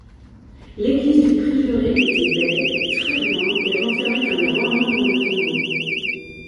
L’église du prieuré était belle, très grande, et renfermait un grand nombre de tombeaux.